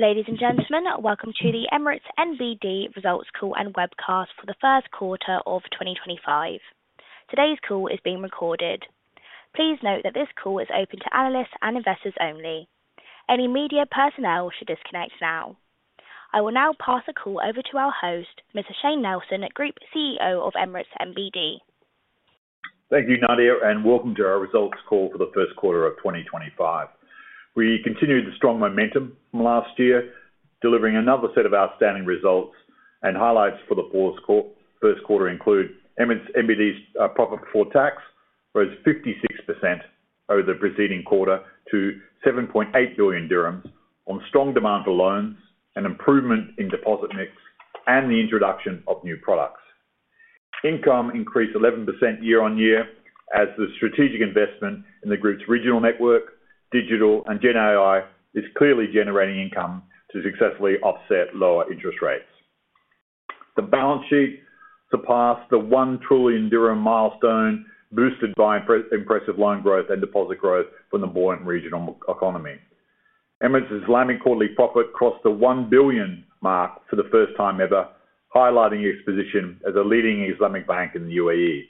Ladies and gentlemen, welcome to the Emirates NBD results call and webcast for the first quarter of 2025. Today's call is being recorded. Please note that this call is open to analysts and investors only. Any media personnel should disconnect now. I will now pass the call over to our host, Mr. Shayne Nelson, Group CEO of Emirates NBD. Thank you, Nadia, and welcome to our results call for the first quarter of 2025. We continue the strong momentum from last year, delivering another set of outstanding results. Highlights for the first quarter include Emirates NBD's profit before tax, rose 56% over the preceding quarter to 7.8 billion dirhams on strong demand for loans, an improvement in deposit mix, and the introduction of new products. Income increased 11% year-on-year as the strategic investment in the Group's regional network, digital, and GenAI is clearly generating income to successfully offset lower interest rates. The balance sheet surpassed the 1 trillion dirham milestone, boosted by impressive loan growth and deposit growth from the buoyant regional economy. Emirates Islamic quarterly profit crossed the 1 billion mark for the first time ever, highlighting its position as a leading Islamic bank in the U.A.E.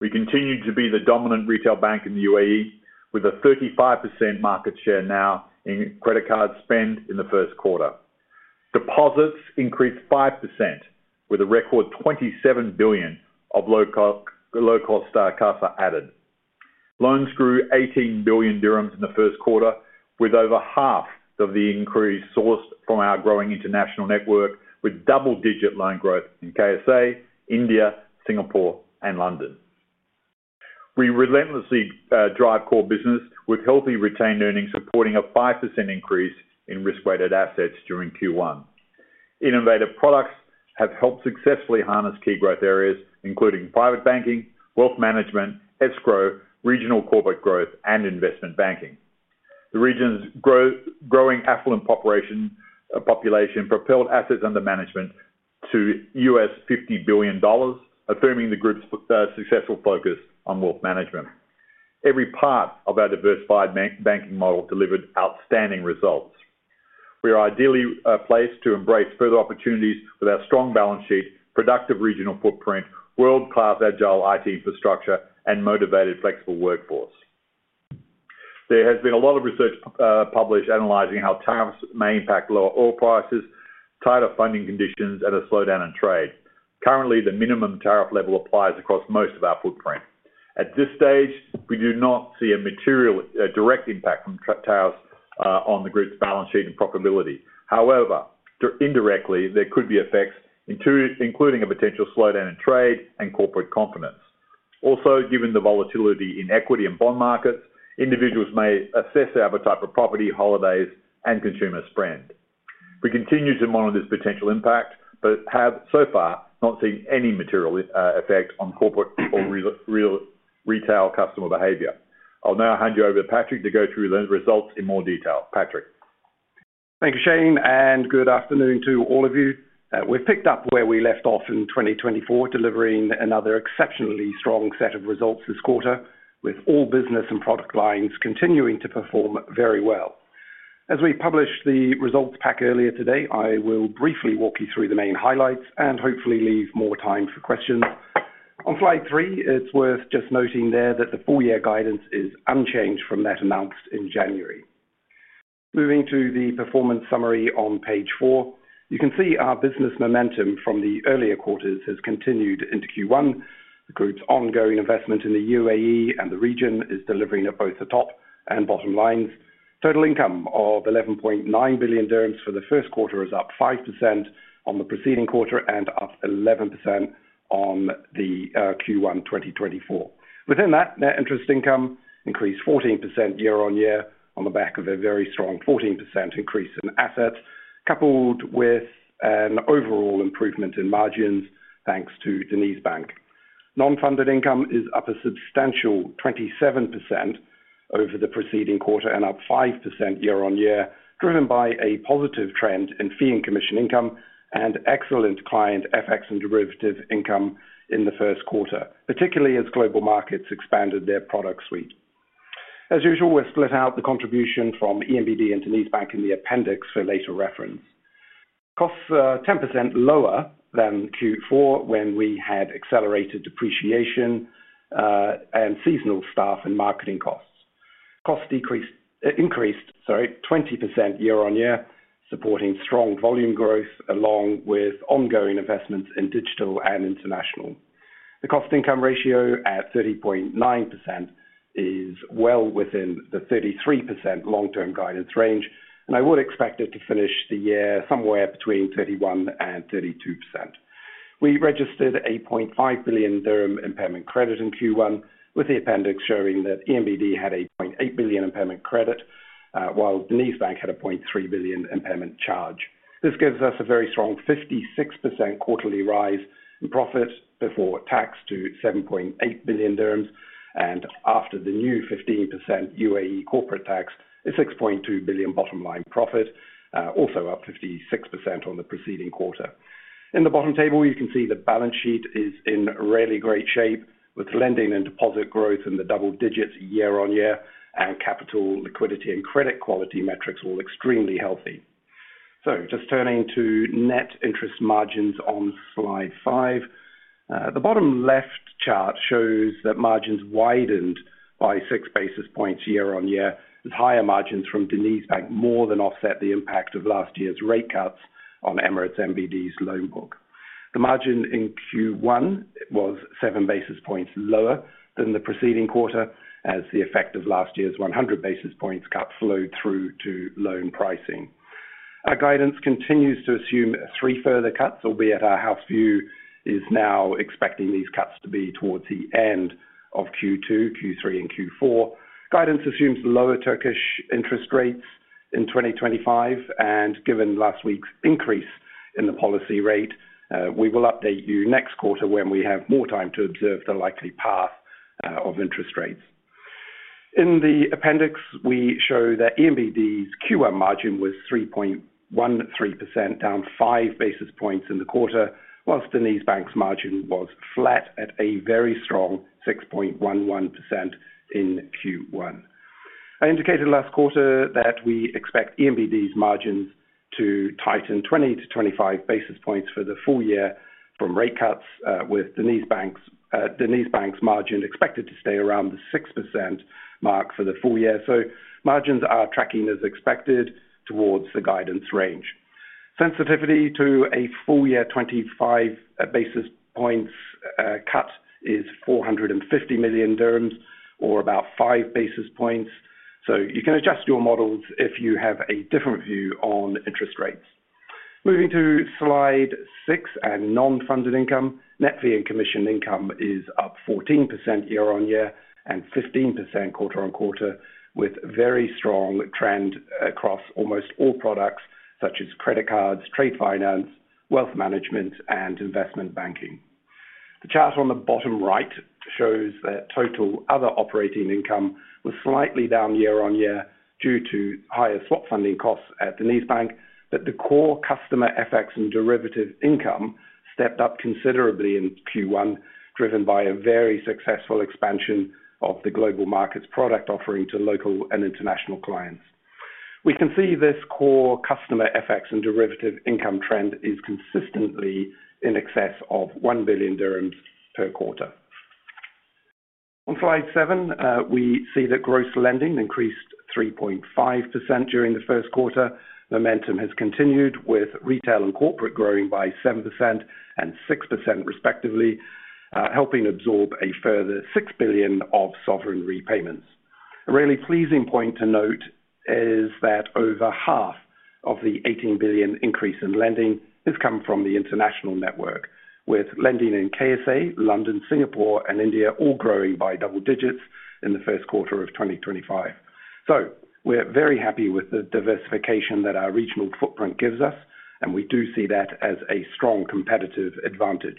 We continue to be the dominant retail bank in the U.A.E, with a 35% market share now in credit card spend in the first quarter. Deposits increased 5%, with a record 27 billion of low-cost CASA added. Loans grew 18 billion dirhams in the first quarter, with over half of the increase sourced from our growing international network, with double-digit loan growth in K.S.A, India, Singapore, and London. We relentlessly drive core business, with healthy retained earnings supporting a 5% increase in risk-weighted assets during Q1. Innovative products have helped successfully harness key growth areas, including private banking, wealth management, escrow, regional corporate growth, and investment banking. The region's growing affluent population propelled assets under management to $50 billion, affirming the Group's successful focus on wealth management. Every part of our diversified banking model delivered outstanding results. We are ideally placed to embrace further opportunities with our strong balance sheet, productive regional footprint, world-class agile IT infrastructure, and motivated flexible workforce. There has been a lot of research published analyzing how tariffs may impact lower oil prices, tighter funding conditions, and a slowdown in trade. Currently, the minimum tariff level applies across most of our footprint. At this stage, we do not see a direct impact from tariffs on the Group's balance sheet and profitability. However, indirectly, there could be effects, including a potential slowdown in trade and corporate confidence. Also, given the volatility in equity and bond markets, individuals may assess their appetite for property, holidays, and consumer spend. We continue to monitor this potential impact but have, so far, not seen any material effect on corporate or retail customer behavior. I'll now hand you over to Patrick to go through the results in more detail. Patrick. Thank you, Shayne, and good afternoon to all of you. We've picked up where we left off in 2024, delivering another exceptionally strong set of results this quarter, with all business and product lines continuing to perform very well. As we published the results pack earlier today, I will briefly walk you through the main highlights and hopefully leave more time for questions. On slide three, it's worth just noting there that the full-year guidance is unchanged from that announced in January. Moving to the performance summary on page four, you can see our business momentum from the earlier quarters has continued into Q1. The Group's ongoing investment in the U.A.E and the region is delivering at both the top and bottom lines. Total income of 11.9 billion dirhams for the first quarter is up 5% on the preceding quarter and up 11% on Q1 2024. Within that, net interest income increased 14% year-on-year on the back of a very strong 14% increase in assets, coupled with an overall improvement in margins thanks to DenizBank. Non-funded income is up a substantial 27% over the preceding quarter and up 5% year-on-year, driven by a positive trend in fee and commission income and excellent client FX and derivative income in the first quarter, particularly as Global Markets expanded their product suite. As usual, we've split out the contribution from ENBD and DenizBank in the appendix for later reference. Costs are 10% lower than Q4 when we had accelerated depreciation and seasonal staff and marketing costs. Costs increased 20% year-on-year, supporting strong volume growth along with ongoing investments in digital and international. The cost-income ratio at 30.9% is well within the 33% long-term guidance range, and I would expect it to finish the year somewhere between 31% and 32%. We registered an 8.5 billion dirham impairment credit in Q1, with the appendix showing that ENBD had an 8.8 billion impairment credit, while DenizBank had an 0.3 billion impairment charge. This gives us a very strong 56% quarterly rise in profit before tax to 7.8 billion dirhams, and after the new 15% U.A.E corporate tax, an 6.2 billion bottom line profit, also up 56% on the preceding quarter. In the bottom table, you can see the balance sheet is in really great shape, with lending and deposit growth in the double-digits year-on-year and capital, liquidity, and credit quality metrics all extremely healthy. Turning to net interest margins on slide five, the bottom left chart shows that margins widened by six basis points year-on-year, as higher margins from DenizBank more than offset the impact of last year's rate cuts on Emirates NBD's loan book. The margin in Q1 was 7 basis points lower than the preceding quarter, as the effect of last year's 100 basis points cut flowed through to loan pricing. Our guidance continues to assume three further cuts, albeit our house view is now expecting these cuts to be towards the end of Q2, Q3, and Q4. Guidance assumes lower Turkish interest rates in 2025, and given last week's increase in the policy rate, we will update you next quarter when we have more time to observe the likely path of interest rates. In the appendix, we show that ENBD's Q1 margin was 3.13%, down 5 basis points in the quarter, whilst DenizBank's margin was flat at a very strong 6.11% in Q1. I indicated last quarter that we expect ENBD's margins to tighten 20-25 basis points for the full year from rate cuts, with DenizBank's margin expected to stay around the 6% mark for the full year. Margins are tracking as expected towards the guidance range. Sensitivity to a full-year 25 basis points cut is 450 million dirhams, or about 5 basis points. You can adjust your models if you have a different view on interest rates. Moving to slide six and non-funded income, net fee and commission income is up 14% year-on-year and 15% quarter-on-quarter, with very strong trend across almost all products such as credit cards, trade finance, wealth management, and investment banking. The chart on the bottom right shows that total other operating income was slightly down year-on-year due to higher swap funding costs at DenizBank, but the core customer FX and derivative income stepped up considerably in Q1, driven by a very successful expansion of the Global Markets product offering to local and international clients. We can see this core customer FX and derivative income trend is consistently in excess of 1 billion dirhams per quarter. On slide seven, we see that gross lending increased 3.5% during the first quarter. Momentum has continued, with retail and corporate growing by 7% and 6%, respectively, helping absorb a further 6 billion of sovereign repayments. A really pleasing point to note is that over half of the 18 billion increase in lending has come from the international network, with lending in K.S.A, London, Singapore, and India all growing by double digits in the first quarter of 2025. We are very happy with the diversification that our regional footprint gives us, and we do see that as a strong competitive advantage.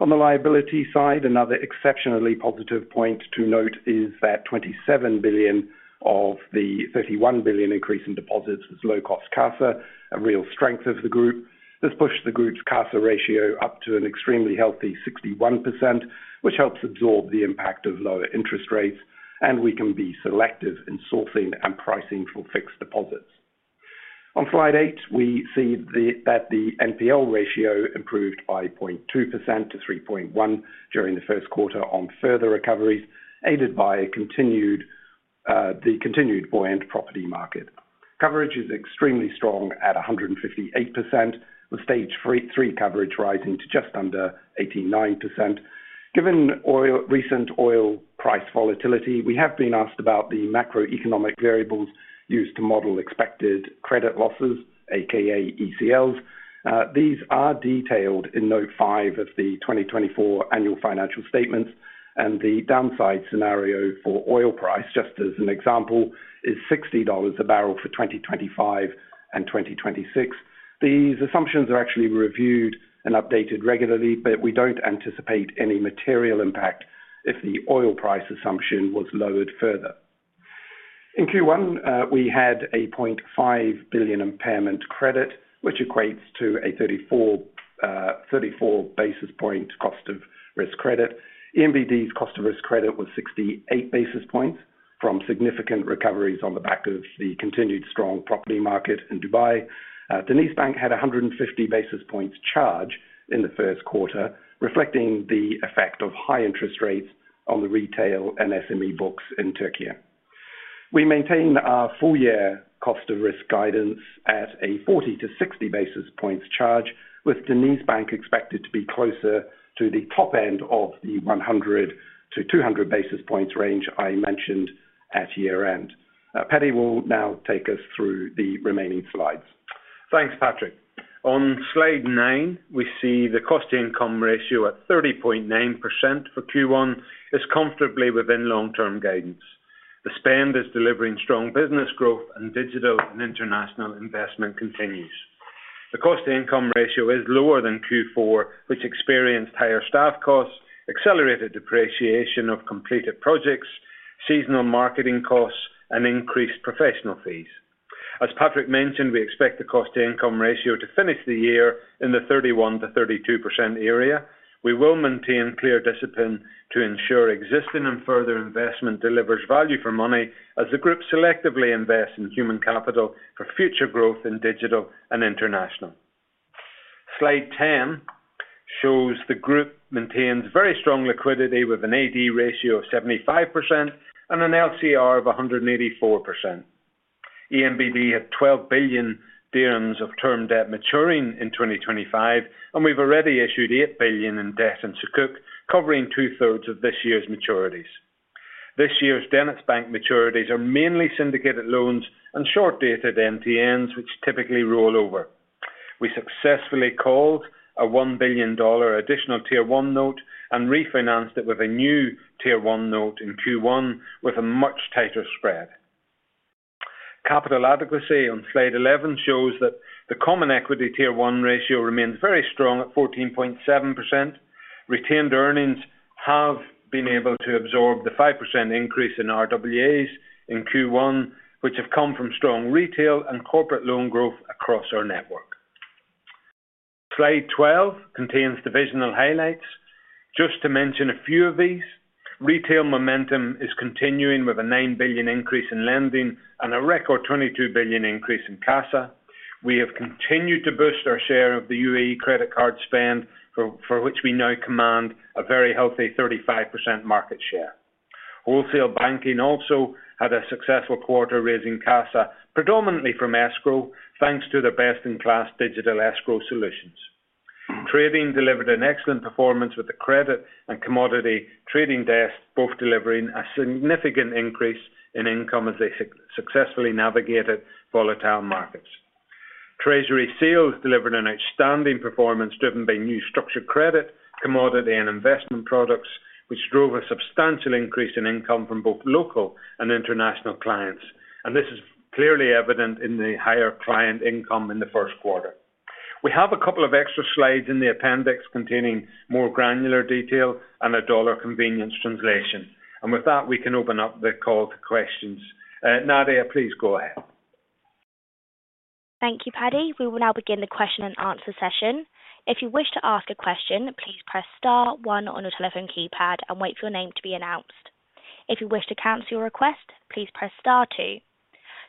On the liability side, another exceptionally positive point to note is that 27 billion of the 31 billion increase in deposits was low-cost CASA, a real strength of the Group. This pushed the Group's CASA ratio up to an extremely healthy 61%, which helps absorb the impact of lower interest rates, and we can be selective in sourcing and pricing for fixed deposits. On slide eight, we see that the NPL ratio improved by 0.2% to 3.1% during the first quarter on further recoveries, aided by the continued buoyant property market. Coverage is extremely strong at 158%, with Stage 3 coverage rising to just under 89%. Given recent oil price volatility, we have been asked about the macroeconomic variables used to model expected credit losses, aka ECLs. These are detailed in Note 5 of the 2024 annual financial statements, and the downside scenario for oil price, just as an example, is $60 a barrel for 2025 and 2026. These assumptions are actually reviewed and updated regularly, but we do not anticipate any material impact if the oil price assumption was lowered further. In Q1, we had a 0.5 billion impairment credit, which equates to a 34 basis point cost of risk credit. ENBD's cost of risk credit was 68 basis points from significant recoveries on the back of the continued strong property market in Dubai. DenizBank had a 150 basis points charge in the first quarter, reflecting the effect of high interest rates on the retail and SME books in Türkiye. We maintain our full-year cost of risk guidance at a 40-60 basis points charge, with DenizBank expected to be closer to the top end of the 100-200 basis points range I mentioned at year-end. Paddy will now take us through the remaining slides. Thanks, Patrick. On slide nine, we see the cost-income ratio at 30.9% for Q1 is comfortably within long-term guidance. The spend is delivering strong business growth, and digital and international investment continues. The cost-income ratio is lower than Q4, which experienced higher staff costs, accelerated depreciation of completed projects, seasonal marketing costs, and increased professional fees. As Patrick mentioned, we expect the cost-income ratio to finish the year in the 31%-32% area. We will maintain clear discipline to ensure existing and further investment delivers value for money as the Group selectively invests in human capital for future growth in digital and international. Slide 10 shows the Group maintains very strong liquidity with an AD ratio of 75% and an LCR of 184%. ENBD had 12 billion dirhams of term debt maturing in 2025, and we've already issued 8 billion in debt and sukuk, covering 2/3 of this year's maturities. This year's DenizBank maturities are mainly syndicated loans and short-dated EMTNs, which typically roll over. We successfully called a $1 billion additional Tier 1 note and refinanced it with a new Tier 1 note in Q1 with a much tighter spread. Capital adequacy on slide 11 shows that the Common Equity Tier 1 ratio remains very strong at 14.7%. Retained earnings have been able to absorb the 5% increase in RWAs in Q1, which have come from strong retail and corporate loan growth across our network. Slide 12 contains divisional highlights. Just to mention a few of these, retail momentum is continuing with a 9 billion increase in lending and a record 22 billion increase in CASA. We have continued to boost our share of the U.A.E credit card spend, for which we now command a very healthy 35% market share. Wholesale banking also had a successful quarter raising CASA, predominantly from escrow, thanks to the best-in-class digital escrow solutions. Trading delivered an excellent performance with the credit and commodity trading desks, both delivering a significant increase in income as they successfully navigated volatile markets. Treasury sales delivered an outstanding performance driven by new structured credit, commodity, and investment products, which drove a substantial increase in income from both local and international clients. This is clearly evident in the higher client income in the first quarter. We have a couple of extra slides in the appendix containing more granular detail and a dollar convenience translation. With that, we can open up the call to questions. Nadia, please go ahead. Thank you, Paddy. We will now begin the question-and-answer session. If you wish to ask a question, please press star one on your telephone keypad and wait for your name to be announced. If you wish to cancel your request, please press star two.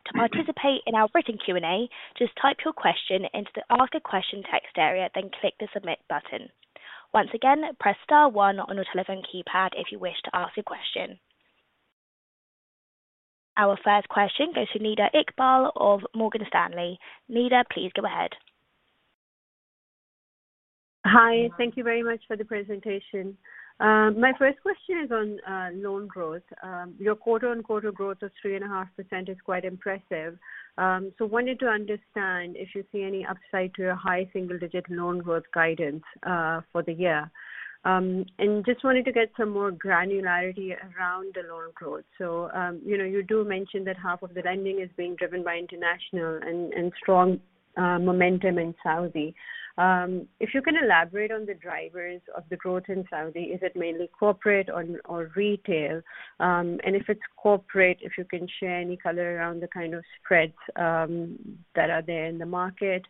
To participate in our written Q&A, just type your question into the Ask a Question text area, then click the submit button. Once again, press star one on your telephone keypad if you wish to ask a question. Our first question goes to Nida Iqbal of Morgan Stanley. Nida, please go ahead. Hi, thank you very much for the presentation. My first question is on loan growth. Your quarter-on-quarter growth of 3.5% is quite impressive. I wanted to understand if you see any upside to your high single-digit loan growth guidance for the year. I just wanted to get some more granularity around the loan growth. You do mention that half of the lending is being driven by international and strong momentum in Saudi. If you can elaborate on the drivers of the growth in Saudi, is it mainly corporate or retail? If it is corporate, if you can share any color around the kind of spreads that are there in the market.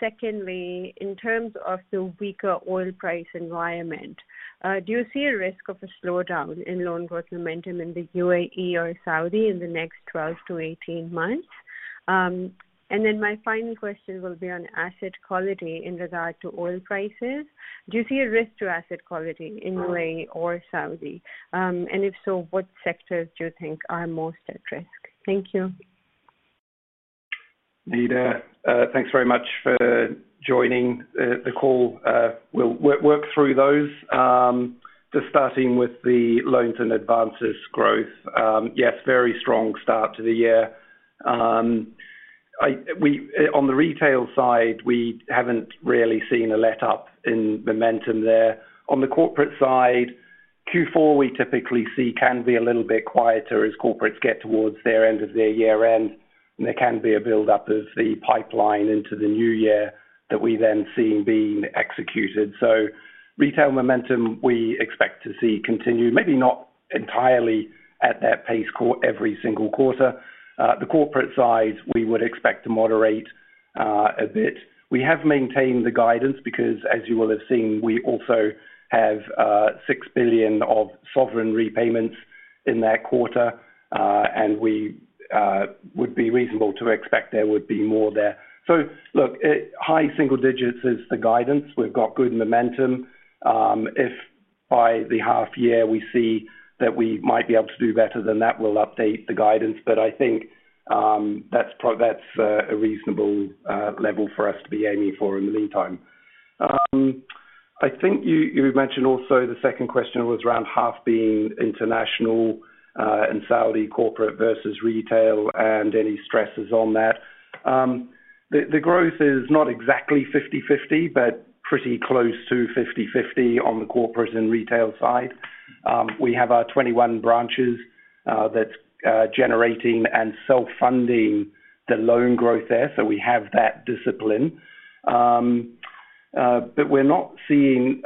Secondly, in terms of the weaker oil price environment, do you see a risk of a slowdown in loan growth momentum in the U.A.E or Saudi in the next 12-18 months? My final question will be on asset quality in regard to oil prices. Do you see a risk to asset quality in U.A.E or Saudi? If so, what sectors do you think are most at risk? Thank you. Nida, thanks very much for joining the call. We'll work through those, just starting with the loans and advances growth. Yes, very strong start to the year. On the retail side, we haven't really seen a let-up in momentum there. On the corporate side, Q4 we typically see can be a little bit quieter as corporates get towards their end of their year-end, and there can be a build-up of the pipeline into the new year that we then see being executed. Retail momentum we expect to see continue, maybe not entirely at that pace every single quarter. The corporate side, we would expect to moderate a bit. We have maintained the guidance because, as you will have seen, we also have 6 billion of sovereign repayments in that quarter, and it would be reasonable to expect there would be more there. Look, high single digits is the guidance. We've got good momentum. If by the half year we see that we might be able to do better than that, we'll update the guidance. I think that's a reasonable level for us to be aiming for in the meantime. I think you mentioned also the second question was around half being international and Saudi corporate versus retail and any stresses on that. The growth is not exactly 50/50, but pretty close to 50/50 on the corporate and retail side. We have our 21 branches that's generating and self-funding the loan growth there, so we have that discipline. We're not seeing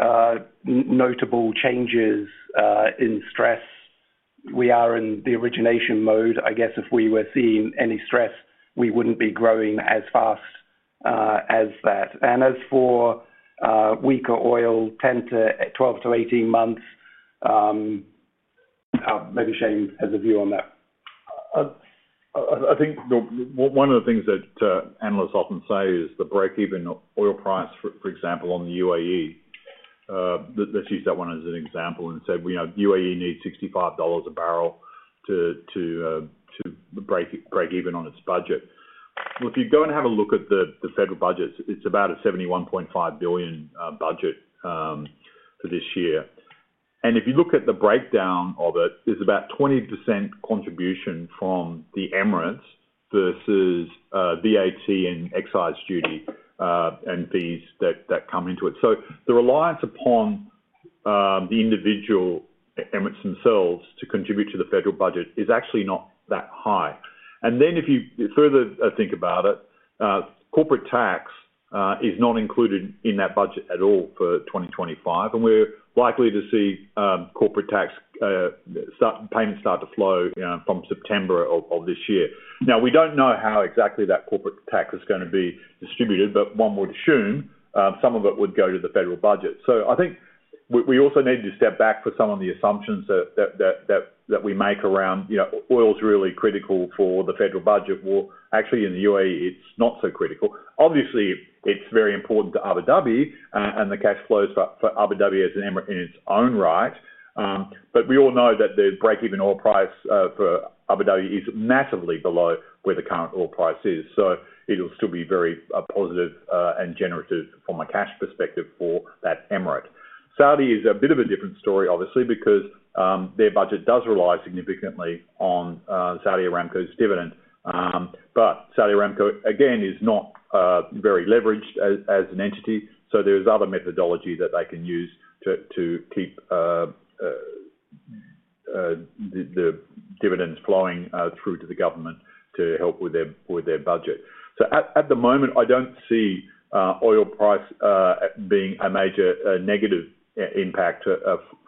notable changes in stress. We are in the origination mode. I guess if we were seeing any stress, we wouldn't be growing as fast as that. As for weaker oil, 10, 12-18 months. Maybe Shayne has a view on that. I think one of the things that analysts often say is the break-even oil price, for example, on the U.A.E. Let's use that one as an example and say the U.A.E needs $65 a barrel to break even on its budget. If you go and have a look at the federal budgets, it's about an 71.5 billion budget for this year. If you look at the breakdown of it, there's about 20% contribution from the Emirates versus VAT and excise duty and fees that come into it. The reliance upon the individual Emirates themselves to contribute to the federal budget is actually not that high. If you further think about it, corporate tax is not included in that budget at all for 2025, and we're likely to see corporate tax payments start to flow from September of this year. Now, we don't know how exactly that corporate tax is going to be distributed, but one would assume some of it would go to the federal budget. I think we also need to step back for some of the assumptions that we make around oil's really critical for the federal budget. Actually, in the U.A.E, it's not so critical. Obviously, it's very important to Abu Dhabi and the cash flows for Abu Dhabi as an Emirate in its own right. We all know that the break-even oil price for Abu Dhabi is massively below where the current oil price is. It will still be very positive and generative from a cash perspective for that Emirate. Saudi is a bit of a different story, obviously, because their budget does rely significantly on Saudi Aramco's dividend. Saudi Aramco, again, is not very leveraged as an entity, so there is other methodology that they can use to keep the dividends flowing through to the government to help with their budget. At the moment, I don't see oil price being a major negative impact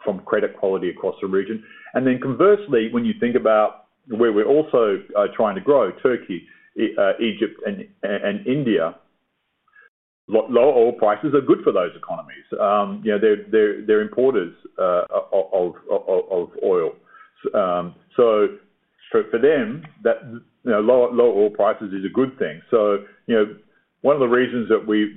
from credit quality across the region. Conversely, when you think about where we're also trying to grow, Türkiye, Egypt, and India, low oil prices are good for those economies. They're importers of oil. For them, low oil prices is a good thing. One of the reasons that we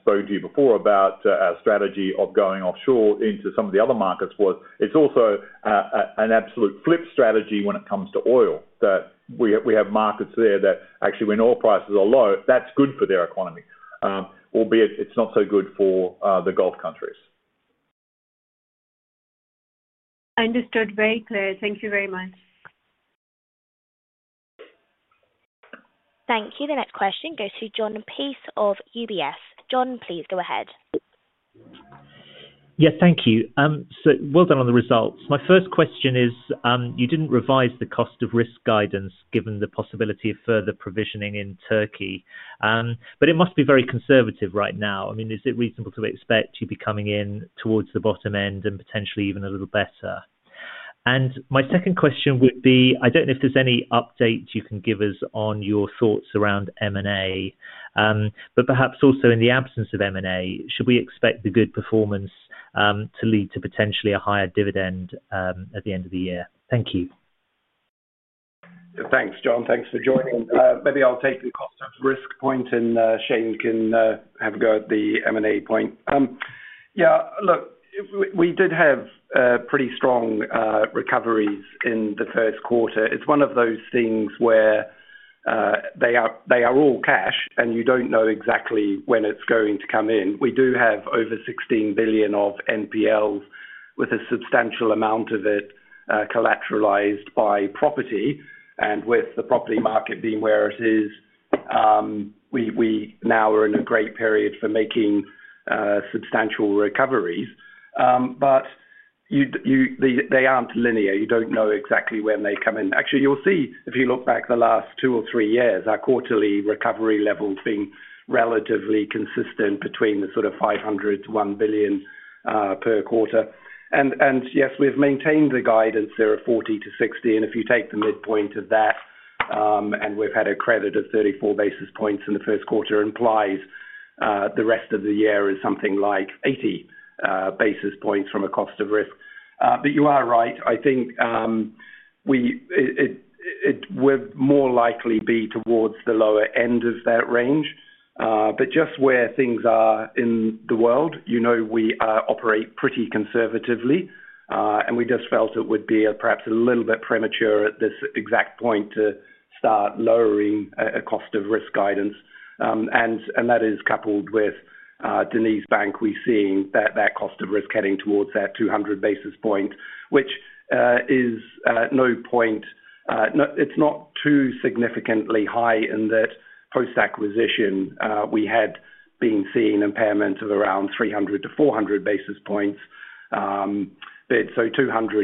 spoke to you before about our strategy of going offshore into some of the other markets was it's also an absolute flip strategy when it comes to oil, that we have markets there that actually when oil prices are low, that's good for their economy, albeit it's not so good for the Gulf countries. Understood. Very clear. Thank you very much. Thank you. The next question goes to Jon Peace of UBS. Jon, please go ahead. Yes, thank you. Well done on the results. My first question is, you did not revise the cost of risk guidance given the possibility of further provisioning in Türkiye, but it must be very conservative right now. I mean, is it reasonable to expect you would be coming in towards the bottom end and potentially even a little better? My second question would be, I do not know if there is any update you can give us on your thoughts around M&A, but perhaps also in the absence of M&A, should we expect the good performance to lead to potentially a higher dividend at the end of the year? Thank you. Thanks, Jon. Thanks for joining. Maybe I'll take the cost of risk point, and Shayne can have a go at the M&A point. Yeah, look, we did have pretty strong recoveries in the first quarter. It's one of those things where they are all cash, and you don't know exactly when it's going to come in. We do have over 16 billion of NPLs with a substantial amount of it collateralized by property. With the property market being where it is, we now are in a great period for making substantial recoveries. They aren't linear. You don't know exactly when they come in. Actually, you'll see if you look back the last two or three years, our quarterly recovery level has been relatively consistent between the sort of 500 million-1 billion per quarter. Yes, we've maintained the guidance there of 40-60. If you take the midpoint of that, and we've had a credit of 34 basis points in the first quarter, it implies the rest of the year is something like 80 basis points from a cost of risk. You are right. I think we'll more likely be towards the lower end of that range. Just where things are in the world, we operate pretty conservatively, and we just felt it would be perhaps a little bit premature at this exact point to start lowering a cost of risk guidance. That is coupled with DenizBank, where we're seeing that cost of risk heading towards that 200 basis point, which is not too significantly high in that post-acquisition we had been seeing impairments of around 300-400 basis points.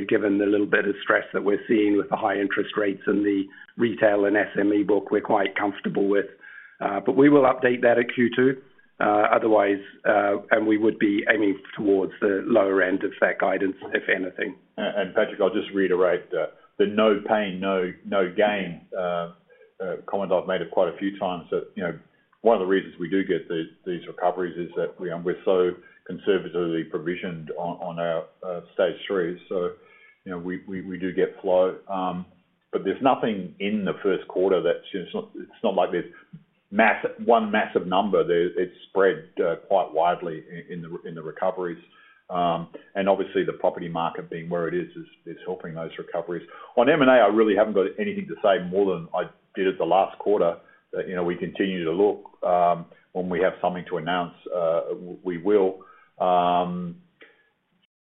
Given the little bit of stress that we're seeing with the high interest rates and the retail and SME book, we're quite comfortable with. We will update that at Q2, otherwise, and we would be aiming towards the lower end of that guidance, if anything. Patrick, I'll just reiterate the no pain, no gain comment I've made quite a few times. One of the reasons we do get these recoveries is that we're so conservatively provisioned on our Stage 3. We do get flow. There is nothing in the first quarter, it's just not like there's one massive number. It's spread quite widely in the recoveries. Obviously, the property market being where it is is helping those recoveries. On M&A, I really haven't got anything to say more than I did at the last quarter. We continue to look. When we have something to announce, we will.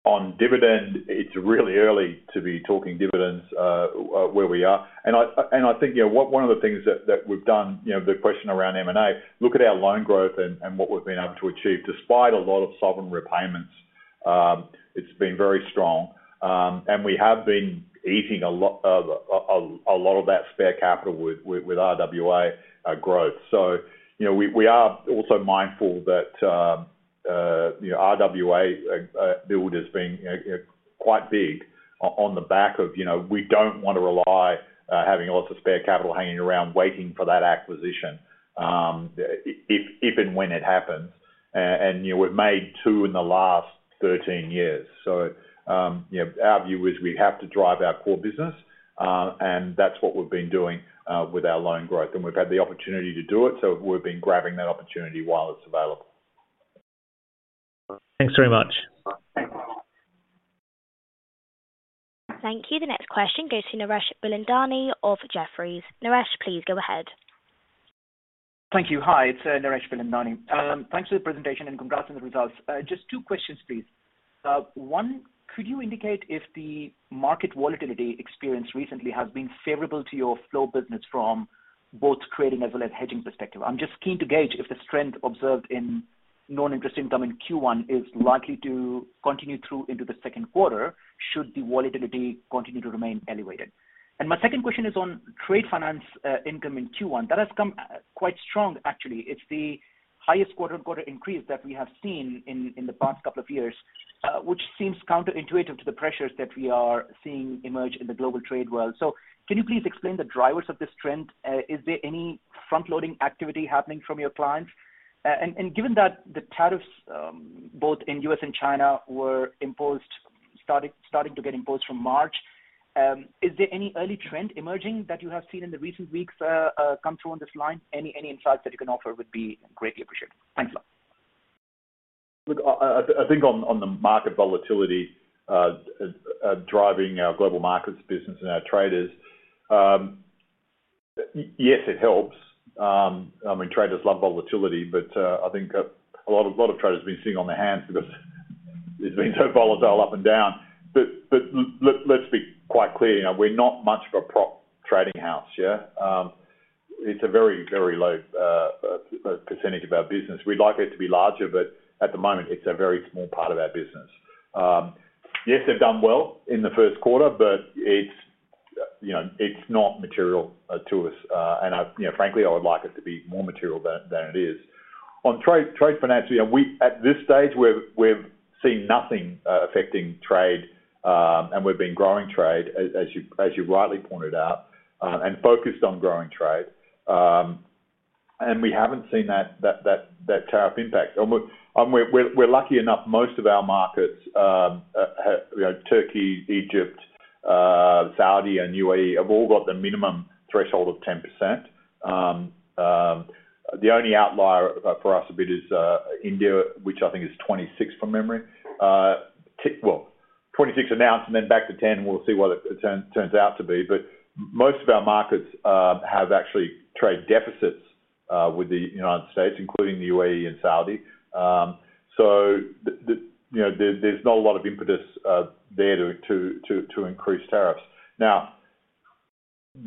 On dividend, it's really early to be talking dividends where we are. I think one of the things that we've done, the question around M&A, look at our loan growth and what we've been able to achieve. Despite a lot of sovereign repayments, it's been very strong. We have been easing a lot of that spare capital with RWA growth. We are also mindful that RWA build has been quite big on the back of we don't want to rely on having lots of spare capital hanging around waiting for that acquisition if and when it happens. We have made two in the last 13 years. Our view is we have to drive our core business, and that's what we've been doing with our loan growth. We have had the opportunity to do it, so we've been grabbing that opportunity while it's available. Thanks very much. Thank you. The next question goes to Naresh Bilandani of Jefferies. Naresh, please go ahead. Thank you. Hi, it's Naresh Bilandani. Thanks for the presentation and congrats on the results. Just two questions, please. One, could you indicate if the market volatility experienced recently has been favorable to your flow business from both trading as well as hedging perspective? I'm just keen to gauge if the strength observed in non-interest income in Q1 is likely to continue through into the second quarter should the volatility continue to remain elevated. My second question is on trade finance income in Q1. That has come quite strong, actually. It's the highest quarter-on-quarter increase that we have seen in the past couple of years, which seems counterintuitive to the pressures that we are seeing emerge in the global trade world. Can you please explain the drivers of this trend? Is there any front-loading activity happening from your clients? Given that the tariffs, both in the U.S. and China, were starting to get imposed from March, is there any early trend emerging that you have seen in the recent weeks come through on this line? Any insights that you can offer would be greatly appreciated. Thanks a lot. I think on the market volatility driving our Global Markets business and our traders, yes, it helps. I mean, traders love volatility, but I think a lot of traders have been sitting on their hands because it's been so volatile up and down. Let's be quite clear, we're not much of a prop trading house. It's a very, very low percentage of our business. We'd like it to be larger, but at the moment, it's a very small part of our business. Yes, they've done well in the first quarter, but it's not material to us. Frankly, I would like it to be more material than it is. On trade finance, at this stage, we've seen nothing affecting trade, and we've been growing trade, as you rightly pointed out, and focused on growing trade. We haven't seen that tariff impact. We're lucky enough most of our markets, Türkiye, Egypt, Saudi, and U.A.E, have all got the minimum threshold of 10%. The only outlier for us a bit is India, which I think is 26 from memory. 26 announced and then back to 10, and we'll see what it turns out to be. Most of our markets have actually trade deficits with the U.S., including the U.A.E and Saudi. There's not a lot of impetus there to increase tariffs. Now,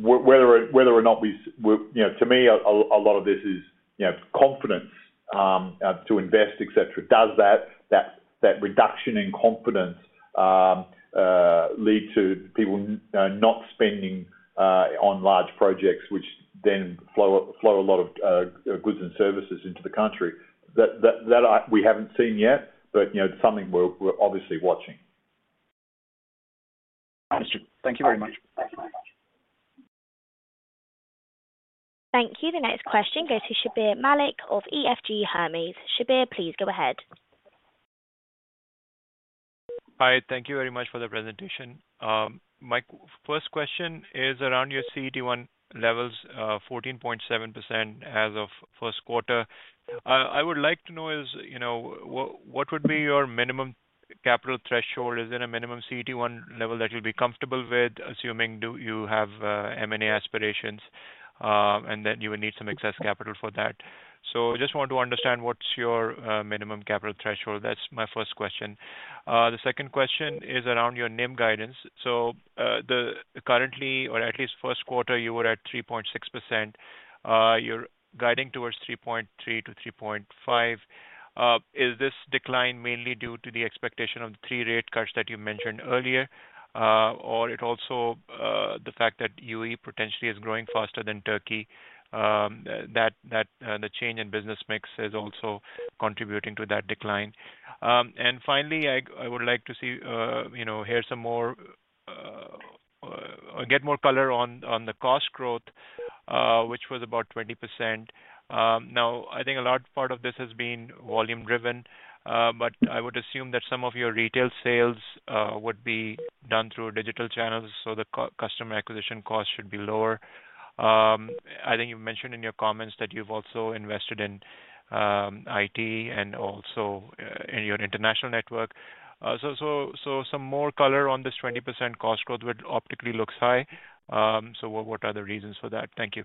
whether or not we, to me, a lot of this is confidence to invest, etc. Does that reduction in confidence lead to people not spending on large projects, which then flow a lot of goods and services into the country? That we haven't seen yet, but it's something we're obviously watching. Thank you very much. Thank you. The next question goes to Shabbir Malik of EFG Hermes. Shabbir, please go ahead. Hi. Thank you very much for the presentation. My first question is around your CET-1 levels, 14.7% as of first quarter. I would like to know what would be your minimum capital threshold? Is there a minimum CET-1 level that you'll be comfortable with, assuming you have M&A aspirations, and that you would need some excess capital for that? I just want to understand what's your minimum capital threshold. That's my first question. The second question is around your NIM guidance. Currently, or at least first quarter, you were at 3.6%. You're guiding towards 3.3%-3.5%. Is this decline mainly due to the expectation of the three rate cuts that you mentioned earlier, or is it also the fact that U.A.E potentially is growing faster than Türkiye, that the change in business mix is also contributing to that decline? Finally, I would like to hear some more or get more color on the cost growth, which was about 20%. I think a large part of this has been volume-driven, but I would assume that some of your retail sales would be done through digital channels, so the customer acquisition cost should be lower. I think you mentioned in your comments that you've also invested in IT and also in your international network. Some more color on this 20% cost growth would optically look high. What are the reasons for that? Thank you.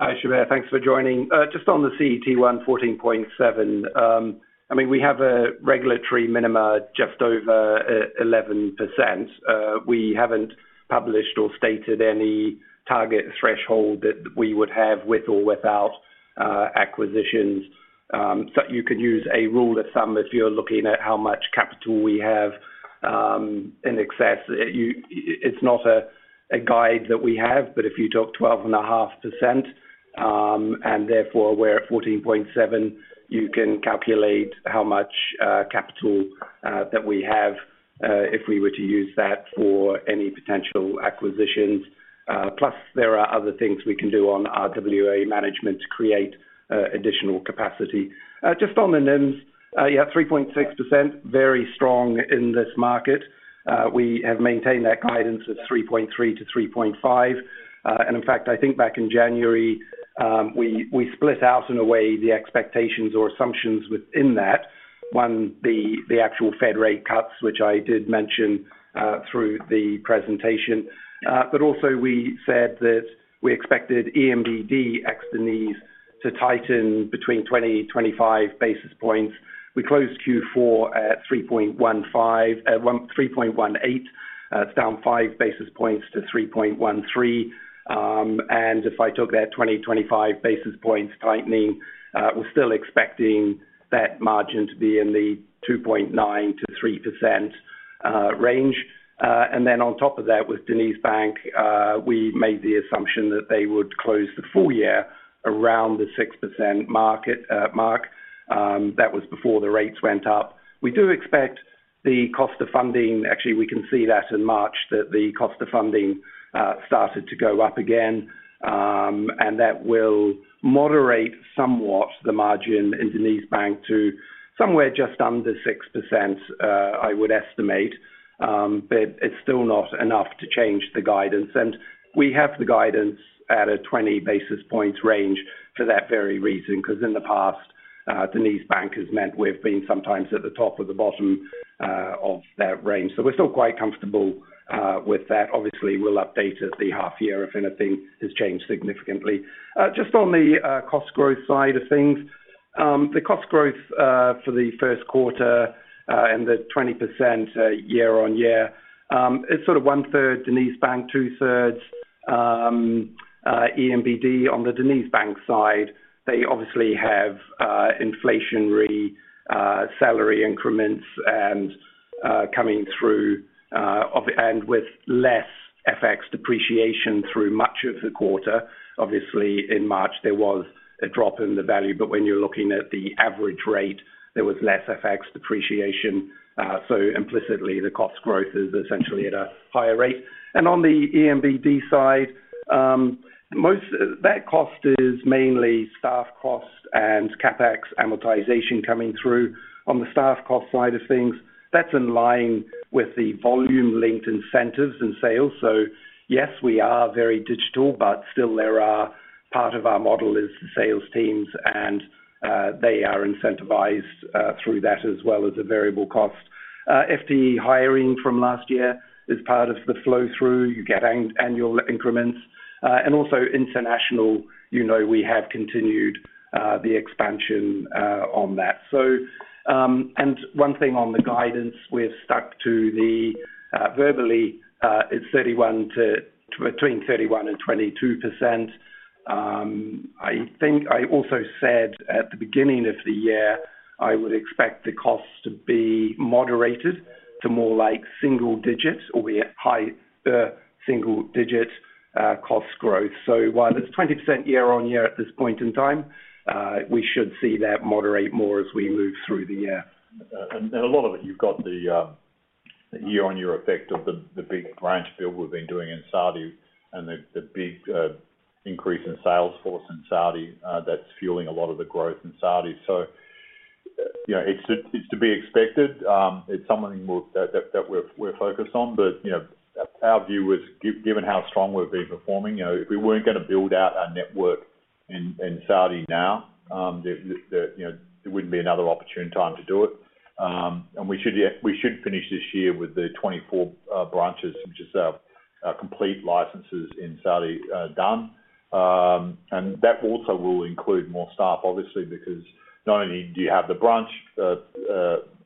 Hi, Shabbir. Thanks for joining. Just on the CET-1, 14.7. I mean, we have a regulatory minimum just over 11%. We haven't published or stated any target threshold that we would have with or without acquisitions. You could use a rule of thumb if you're looking at how much capital we have in excess. It's not a guide that we have, but if you took 12.5% and therefore we're at 14.7%, you can calculate how much capital that we have if we were to use that for any potential acquisitions. Plus, there are other things we can do on RWA management to create additional capacity. Just on the NIMs, yeah, 3.6%, very strong in this market. We have maintained that guidance of 3.3%-3.5%. In fact, I think back in January, we split out in a way the expectations or assumptions within that, one, the actual Fed rate cuts, which I did mention through the presentation. Also, we said that we expected ENBD ex-Deniz to tighten between 20-25 basis points. We closed Q4 at 3.18. It is down 5 basis points to 3.13. If I took that 20-25 basis points tightening, we are still expecting that margin to be in the 2.9%-3% range. On top of that, with DenizBank, we made the assumption that they would close the full year around the 6% mark. That was before the rates went up. We do expect the cost of funding actually, we can see that in March that the cost of funding started to go up again, and that will moderate somewhat the margin in DenizBank to somewhere just under 6%, I would estimate. It is still not enough to change the guidance. We have the guidance at a 20 basis points range for that very reason, because in the past, DenizBank has meant we have been sometimes at the top or the bottom of that range. We are still quite comfortable with that. Obviously, we will update it at the half year if anything has changed significantly. Just on the cost growth side of things, the cost growth for the first quarter and the 20% year-on-year, it is sort of 1/3 DenizBank, 2/3 ENBD on the DenizBank side. They obviously have inflationary salary increments coming through with less FX depreciation through much of the quarter. Obviously, in March, there was a drop in the value, but when you're looking at the average rate, there was less FX depreciation. Implicitly, the cost growth is essentially at a higher rate. On the ENBD side, that cost is mainly staff cost and CapEx amortization coming through. On the staff cost side of things, that's in line with the volume-linked incentives and sales. Yes, we are very digital, but still part of our model is the sales teams, and they are incentivized through that as well as a variable cost. FTE hiring from last year is part of the flow through. You get annual increments. Also, international, we have continued the expansion on that. One thing on the guidance, we've stuck to the verbally, it's between 31% and 22%. I think I also said at the beginning of the year, I would expect the cost to be moderated to more like single digits or high single-digit cost growth. While it's 20% year-on-year at this point in time, we should see that moderate more as we move through the year. A lot of it, you've got the year-on-year effect of the big branch build we've been doing in Saudi and the big increase in sales force in Saudi that's fueling a lot of the growth in Saudi. It is to be expected. It is something that we're focused on. Our view is, given how strong we've been performing, if we were not going to build out our network in Saudi now, there would not be another opportune time to do it. We should finish this year with the 24 branches, which is complete licenses in Saudi done. That also will include more staff, obviously, because not only do you have the branch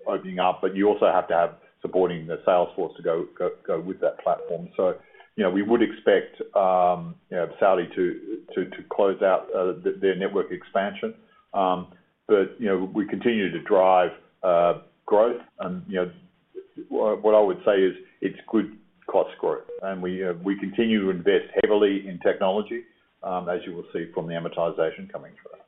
opening up, but you also have to have supporting the sales force to go with that platform. We would expect Saudi to close out their network expansion. We continue to drive growth. It is good cost growth. We continue to invest heavily in technology, as you will see from the amortization coming through.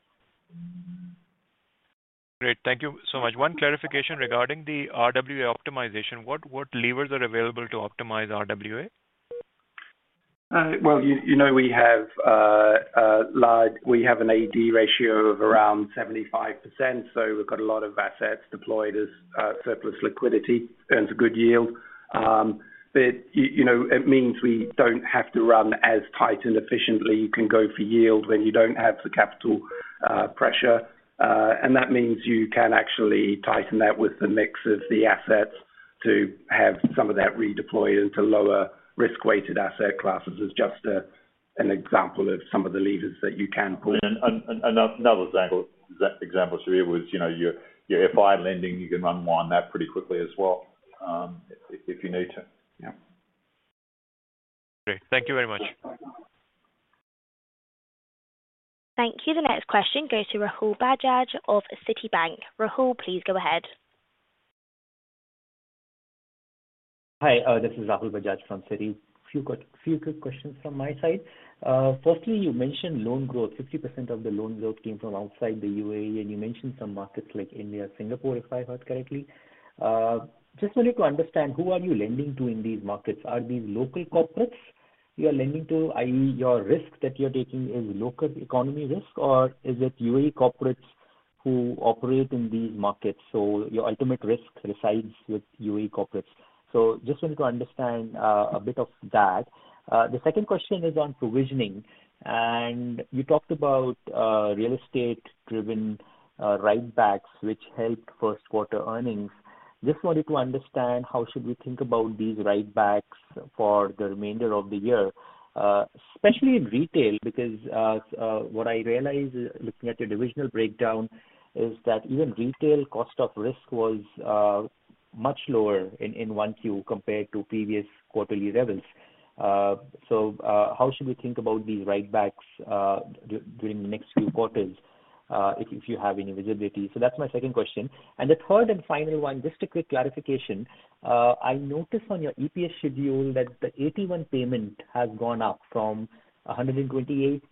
Great. Thank you so much. One clarification regarding the RWA optimization. What levers are available to optimize RWA? We have an AD ratio of around 75%, so we've got a lot of assets deployed as surplus liquidity earns a good yield. It means we don't have to run as tight and efficiently. You can go for yield when you don't have the capital pressure. That means you can actually tighten that with the mix of the assets to have some of that redeployed into lower risk-weighted asset classes is just an example of some of the levers that you can pull. Another example, Shabbir, was your FI lending. You can run more on that pretty quickly as well if you need to. Great. Thank you very much. Thank you. The next question goes to Rahul Bajaj of Citibank. Rahul, please go ahead. Hi. This is Rahul Bajaj from Citi. A few quick questions from my side. Firstly, you mentioned loan growth. 50% of the loan growth came from outside the U.A.E, and you mentioned some markets like India, Singapore, if I heard correctly. Just wanted to understand, who are you lending to in these markets? Are these local corporates you are lending to? I mean, your risk that you're taking is local economy risk, or is it U.A.E corporates who operate in these markets? So your ultimate risk resides with U.A.E corporates. Just wanted to understand a bit of that. The second question is on provisioning. You talked about real estate-driven write-backs, which helped first quarter earnings. Just wanted to understand, how should we think about these write-backs for the remainder of the year, especially in retail? Because what I realized, looking at your divisional breakdown, is that even retail cost of risk was much lower in 1Q compared to previous quarterly levels. How should we think about these write-backs during the next few quarters if you have any visibility? That is my second question. The third and final one, just a quick clarification. I noticed on your EPS schedule that the AT1 payment has gone up from 128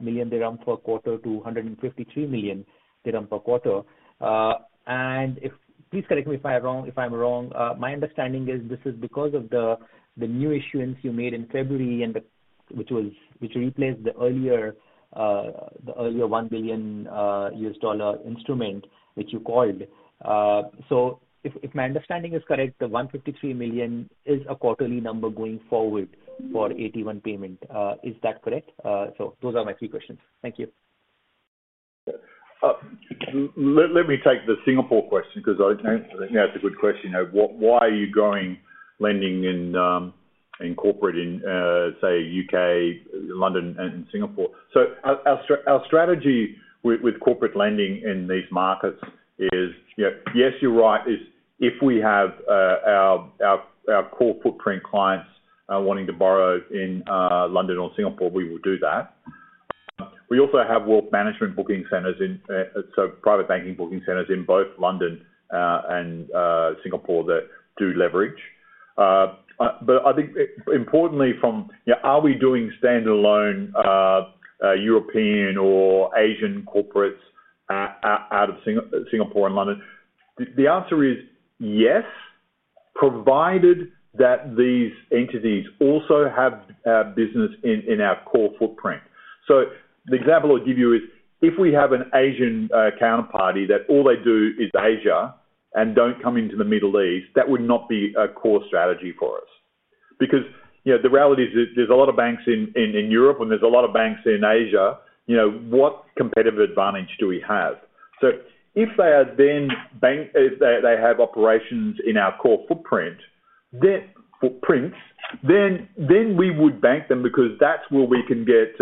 million dirham per quarter to 153 million dirham per quarter. Please correct me if I'm wrong. My understanding is this is because of the new issuance you made in February, which replaced the earlier $1 billion instrument, which you called. If my understanding is correct, the 153 million is a quarterly number going forward for AT1 payment. Is that correct? Those are my three questions. Thank you. Let me take the Singapore question because that's a good question. Why are you going lending in corporate in, say, U.K., London, and Singapore? Our strategy with corporate lending in these markets is, yes, you're right, if we have our core footprint clients wanting to borrow in London or Singapore, we will do that. We also have wealth management booking centers, so private banking booking centers in both London and Singapore that do leverage. I think, importantly, are we doing standalone European or Asian corporates out of Singapore and London? The answer is yes, provided that these entities also have business in our core footprint. The example I'll give you is if we have an Asian counterparty that all they do is Asia and do not come into the Middle East, that would not be a core strategy for us. Because the reality is there's a lot of banks in Europe, and there's a lot of banks in Asia. What competitive advantage do we have? If they have operations in our core footprints, then we would bank them because that's where we can get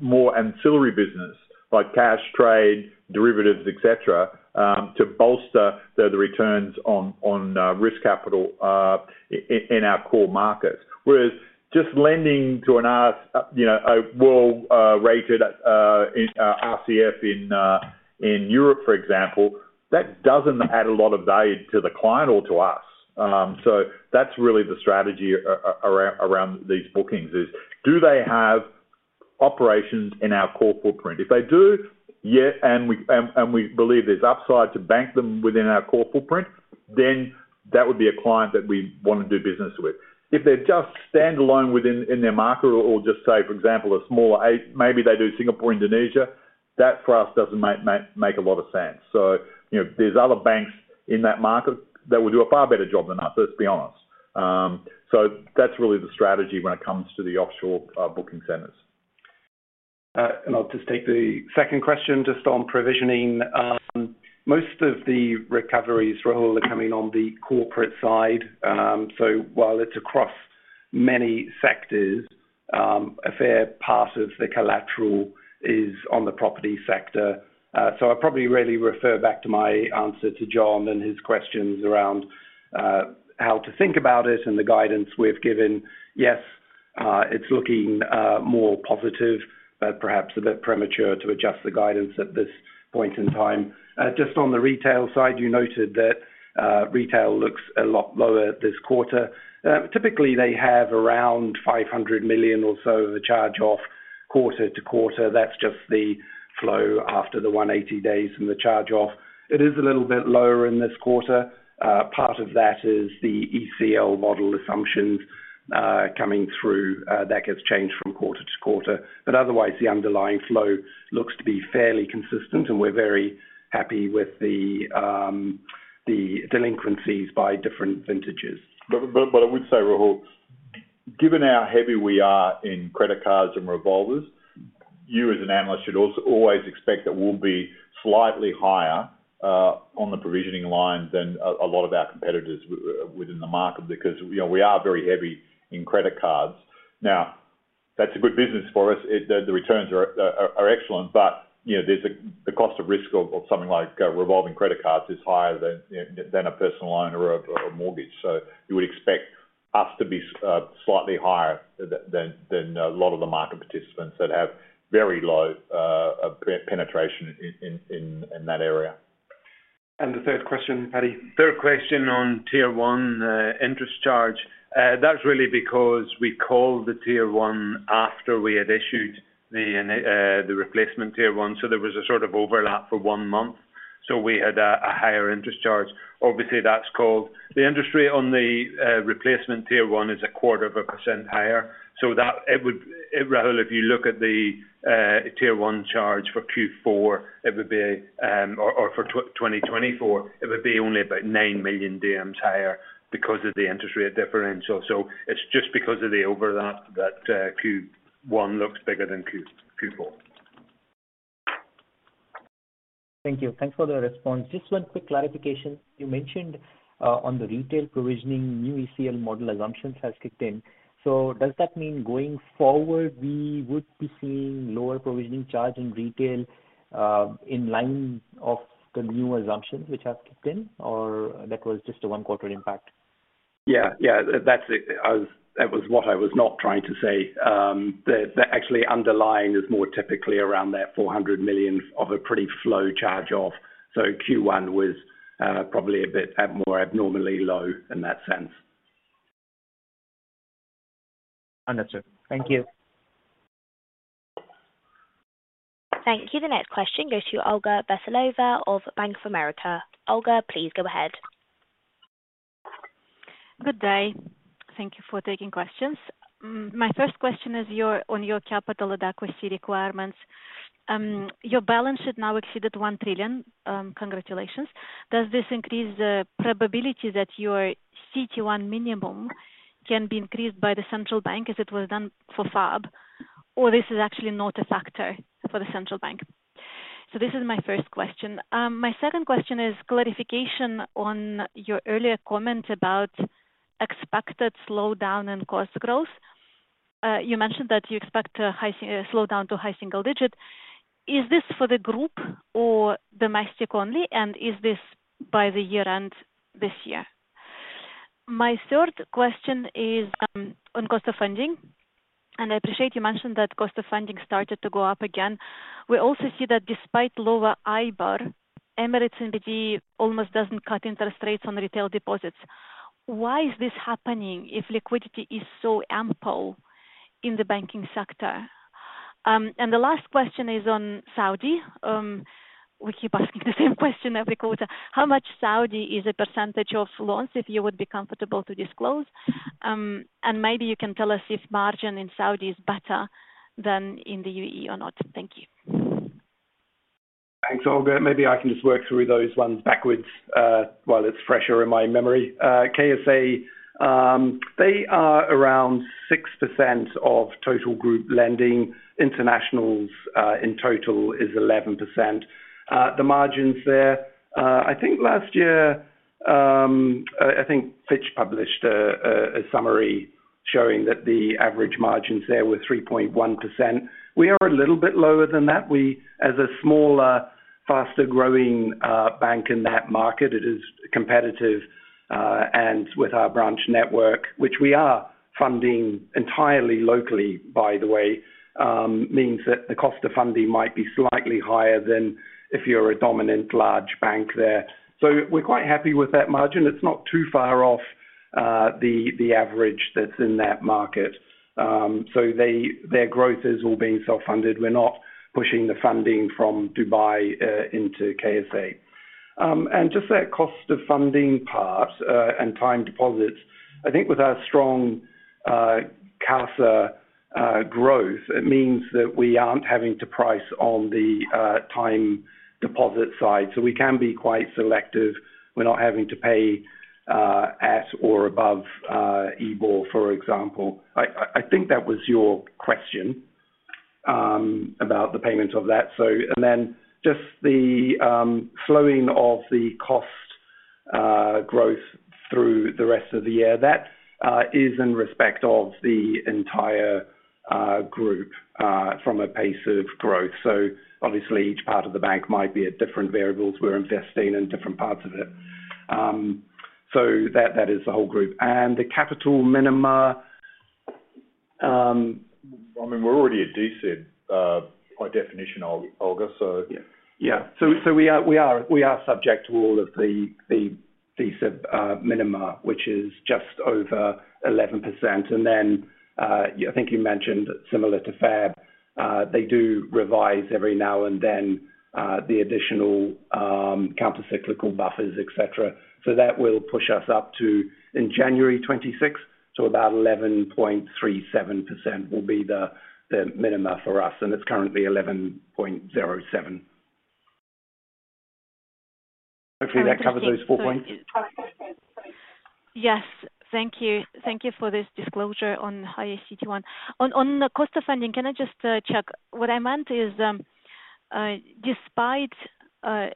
more ancillary business like cash, trade, derivatives, etc., to bolster the returns on risk capital in our core markets. Whereas just lending to a world-rated RCF in Europe, for example, that doesn't add a lot of value to the client or to us. That's really the strategy around these bookings: do they have operations in our core footprint? If they do, yeah, and we believe there's upside to bank them within our core footprint, then that would be a client that we want to do business with. If they're just standalone in their market or just say, for example, a smaller, maybe they do Singapore, Indonesia, that for us doesn't make a lot of sense. There are other banks in that market that would do a far better job than us, let's be honest. That is really the strategy when it comes to the offshore booking centers. I'll just take the second question just on provisioning. Most of the recoveries, Rahul, are coming on the corporate side. While it's across many sectors, a fair part of the collateral is on the property sector. I'll probably really refer back to my answer to Jon and his questions around how to think about it and the guidance we've given. Yes, it's looking more positive, but perhaps a bit premature to adjust the guidance at this point in time. Just on the retail side, you noted that retail looks a lot lower this quarter. Typically, they have around 500 million or so of a charge-off quarter to quarter. That's just the flow after the 180 days and the charge-off. It is a little bit lower in this quarter. Part of that is the ECL model assumptions coming through that gets changed from quarter to quarter. Otherwise, the underlying flow looks to be fairly consistent, and we're very happy with the delinquencies by different vintages. I would say, Rahul, given how heavy we are in credit cards and revolvers, you as an analyst should always expect that we'll be slightly higher on the provisioning line than a lot of our competitors within the market because we are very heavy in credit cards. Now, that's a good business for us. The returns are excellent, but the cost of risk of something like revolving credit cards is higher than a personal loan or a mortgage. You would expect us to be slightly higher than a lot of the market participants that have very low penetration in that area. The third question, Paddy? Third question on Tier 1 interest charge. That is really because we called the Tier 1 after we had issued the replacement Tier 1. There was a sort of overlap for one month. We had a higher interest charge. Obviously, that is called. The interest rate on the replacement Tier 1 is a quarter of a percent higher. Rahul, if you look at the Tier 1 charge for Q4, or for 2024, it would be only about 9 million higher because of the interest rate differential. It is just because of the overlap that Q1 looks bigger than Q4. Thank you. Thanks for the response. Just one quick clarification. You mentioned on the retail provisioning, new ECL model assumptions have kicked in. Does that mean going forward, we would be seeing lower provisioning charge in retail in line of the new assumptions which have kicked in, or that was just first quarter impact? Yeah. Yeah. That was what I was not trying to say. The actually underlying is more typically around that 400 million of a pretty slow charge-off. Q1 was probably a bit more abnormally low in that sense. Understood. Thank you. Thank you. The next question goes to Olga Veselova of Bank of America. Olga, please go ahead. Good day. Thank you for taking questions. My first question is on your capital adequacy requirements. Your balance should now exceed 1 trillion. Congratulations. Does this increase the probability that your CET-1 minimum can be increased by the central bank as it was done for FAB, or this is actually not a factor for the central bank? This is my first question. My second question is clarification on your earlier comment about expected slowdown in cost growth. You mentioned that you expect a slowdown to high single-digit. Is this for the group or domestic only, and is this by the year end this year? My third question is on cost of funding. I appreciate you mentioned that cost of funding started to go up again. We also see that despite lower EIBOR, Emirates NBD almost doesn't cut interest rates on retail deposits. Why is this happening if liquidity is so ample in the banking sector? The last question is on Saudi. We keep asking the same question every quarter. How much Saudi is a percentage of loans, if you would be comfortable to disclose? Maybe you can tell us if margin in Saudi is better than in the U.A.E or not. Thank you. Thanks, Olga. Maybe I can just work through those ones backwards while it's fresher in my memory. K.S.A, they are around 6% of total Group lending. Internationals in total is 11%. The margins there, I think last year, I think Fitch published a summary showing that the average margins there were 3.1%. We are a little bit lower than that. As a smaller, faster-growing bank in that market, it is competitive. With our branch network, which we are funding entirely locally, by the way, it means that the cost of funding might be slightly higher than if you're a dominant large bank there. We are quite happy with that margin. It's not too far off the average that's in that market. Their growth is all being self-funded. We're not pushing the funding from Dubai into K.S.A. Just that cost of funding part and time deposits, I think with our strong CASA growth, it means that we are not having to price on the time deposit side. We can be quite selective. We are not having to pay at or above EIBOR, for example. I think that was your question about the payment of that. The slowing of the cost growth through the rest of the year is in respect of the entire group from a pace of growth. Obviously, each part of the bank might be at different variables. We are investing in different parts of it. That is the whole group. The capital minima. I mean, we're already at D-SIB by definition, Olga. Yeah. We are subject to all of the D-SIB minima, which is just over 11%. I think you mentioned similar to FAB, they do revise every now and then the additional countercyclical buffers, etc. That will push us up to, in January 2026, to about 11.37% will be the minima for us. It is currently 11.07%. Hopefully, that covers those four points. Yes. Thank you. Thank you for this disclosure on higher CET-1. On the cost of funding, can I just check? What I meant is despite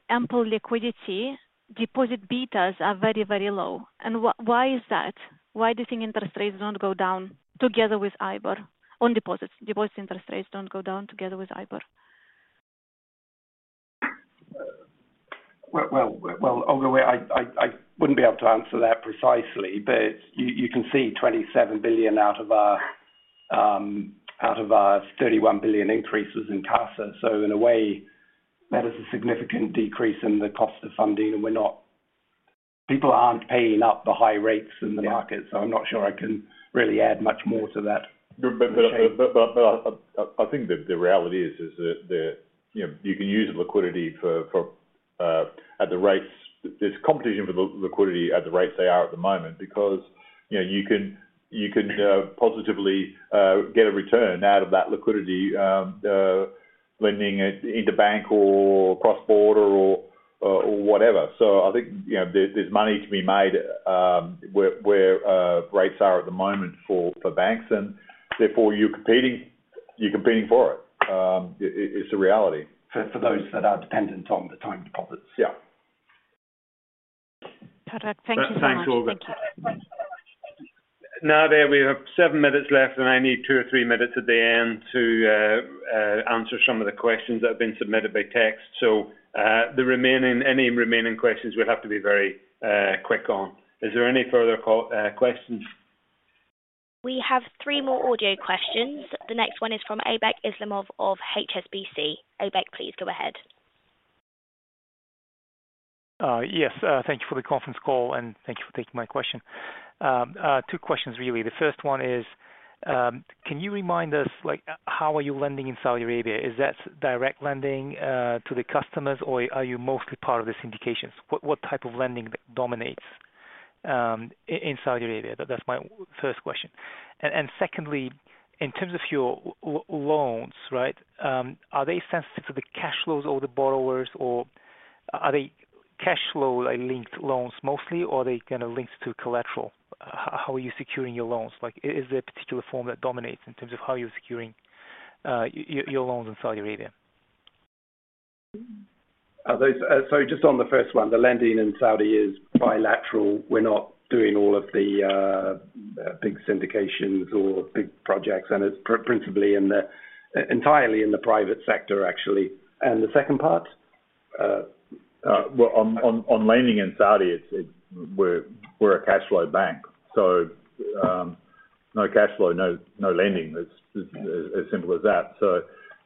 ample liquidity, deposit betas are very, very low. Why is that? Why do you think interest rates do not go down together with EIBOR on deposits? Deposit interest rates do not go down together with EIBOR. Olga, I wouldn't be able to answer that precisely, but you can see 27 billion out of our 31 billion increases in CASA. In a way, that is a significant decrease in the cost of funding. People aren't paying up the high rates in the market. I'm not sure I can really add much more to that. I think the reality is that you can use liquidity at the rates. There is competition for the liquidity at the rates they are at the moment because you can positively get a return out of that liquidity lending into bank or cross-border or whatever. I think there is money to be made where rates are at the moment for banks. Therefore, you are competing for it. It is a reality. For those that are dependent on the time deposits. Yeah. Perfect. Thank you so much. Thanks, Olga. Now, there we have seven minutes left, and I need two or three minutes at the end to answer some of the questions that have been submitted by text. Any remaining questions we'll have to be very quick on. Is there any further questions? We have three more audio questions. The next one is from Aybek Islamov of HSBC. Aybek, please go ahead. Yes. Thank you for the conference call, and thank you for taking my question. Two questions, really. The first one is, can you remind us how are you lending in Saudi Arabia? Is that direct lending to the customers, or are you mostly part of the syndications? What type of lending dominates in Saudi Arabia? That's my first question. Secondly, in terms of your loans, right, are they sensitive to the cash flows or the borrowers, or are they cash-flow-linked loans mostly, or are they kind of linked to collateral? How are you securing your loans? Is there a particular form that dominates in terms of how you're securing your loans in Saudi Arabia? Just on the first one, the lending in Saudi is bilateral. We're not doing all of the big syndications or big projects. It's principally entirely in the private sector, actually. The second part? On lending in Saudi, we're a cash-flow bank. No cash flow, no lending. It's as simple as that.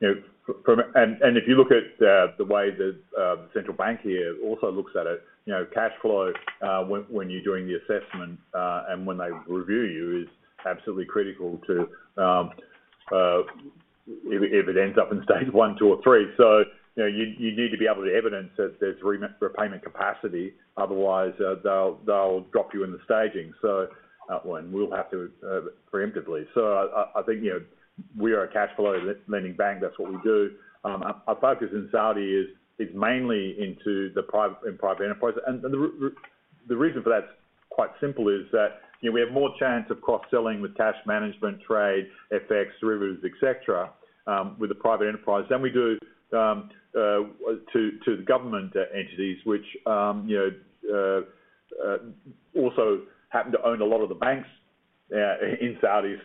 If you look at the way that the central bank here also looks at it, cash flow when you're doing the assessment and when they review you is absolutely critical to if it ends up in Stage 1, 2, or 3. You need to be able to evidence that there's repayment capacity. Otherwise, they'll drop you in the staging. We'll have to preemptively. I think we are a cash-flow lending bank. That's what we do. Our focus in Saudi is mainly into the private enterprise. The reason for that's quite simple is that we have more chance of cross-selling with cash management, trade, FX, derivatives, etc., with the private enterprise. We do go to the government entities, which also happen to own a lot of the banks in Saudi.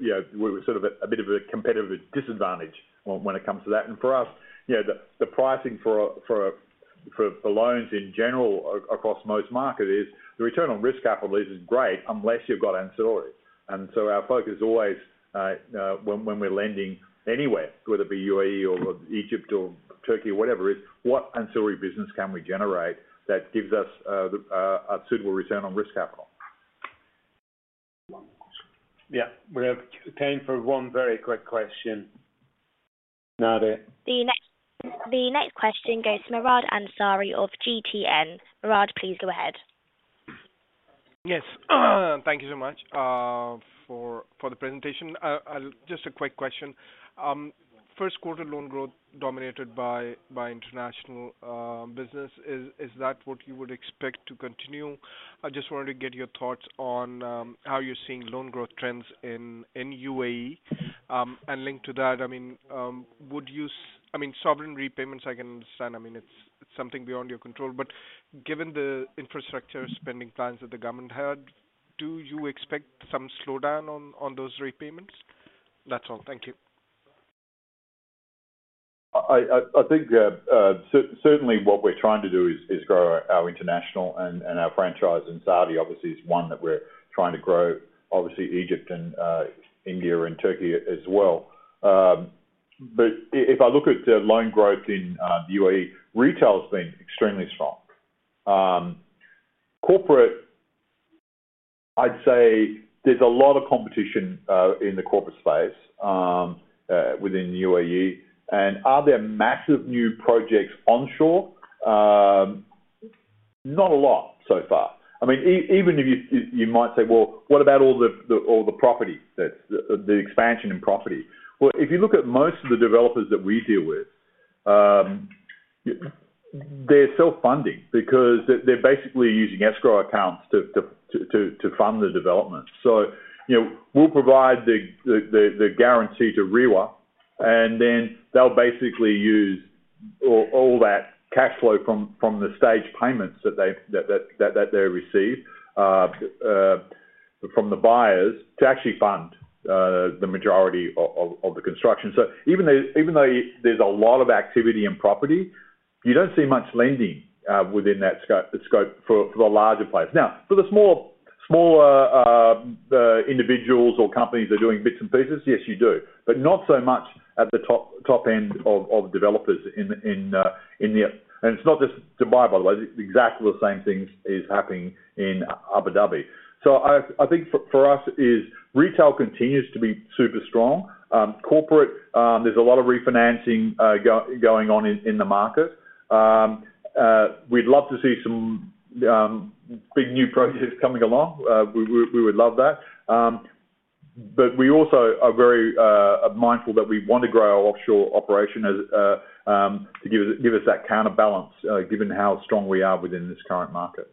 We are sort of at a bit of a competitive disadvantage when it comes to that. For us, the pricing for loans in general across most markets is the return on risk capital is not great unless you have ancillaries. Our focus always when we are lending anywhere, whether it be U.A.E or Egypt or Türkiye or whatever it is, is what ancillary business can we generate that gives us a suitable return on risk capital? Yeah. We're paying for one very quick question. Now, there. The next question goes to Murad Ansari of GTN. Murad, please go ahead. Yes. Thank you so much for the presentation. Just a quick question. First quarter loan growth dominated by international business. Is that what you would expect to continue? I just wanted to get your thoughts on how you're seeing loan growth trends in U.A.E. Linked to that, I mean, would you, I mean, sovereign repayments, I can understand. I mean, it's something beyond your control. Given the infrastructure spending plans that the government had, do you expect some slowdown on those repayments? That's all. Thank you. I think certainly what we're trying to do is grow our international and our franchise in Saudi. Obviously, it's one that we're trying to grow. Obviously, Egypt and India and Türkiye as well. If I look at loan growth in the U.A.E, retail has been extremely strong. Corporate, I'd say there's a lot of competition in the corporate space within the U.A.E. Are there massive new projects onshore? Not a lot so far. I mean, even if you might say, "What about all the property? The expansion in property?" If you look at most of the developers that we deal with, they're self-funding because they're basically using escrow accounts to fund the development. We'll provide the guarantee to RERA, and then they'll basically use all that cash flow from the stage payments that they receive from the buyers to actually fund the majority of the construction. Even though there's a lot of activity in property, you don't see much lending within that scope for the larger players. Now, for the smaller individuals or companies that are doing bits and pieces, yes, you do. Not so much at the top end of developers, and it's not just Dubai, by the way. Exactly the same thing is happening in Abu Dhabi. I think for us, retail continues to be super strong. Corporate, there's a lot of refinancing going on in the market. We'd love to see some big new projects coming along. We would love that. We also are very mindful that we want to grow our offshore operation to give us that counterbalance given how strong we are within this current market.